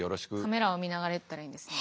カメラを見ながら言ったらいいんですね。